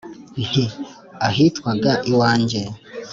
Nti : Ahitwaga iwanjye